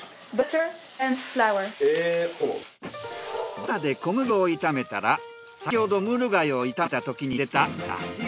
バターで小麦粉を炒めたら先ほどムール貝を炒めたときに出た出汁を。